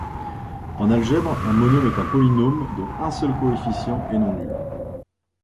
En algèbre, un monôme est un polynôme dont un seul coefficient est non nul.